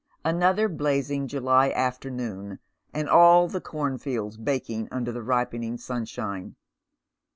Another blazing July afternoon, and all the cornfields baking under the ripening sunshine.